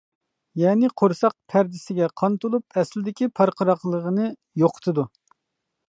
يەنى قورساق پەردىسىگە قان تولۇپ ئەسلىدىكى پارقىراقلىقىنى يوقىتىدۇ.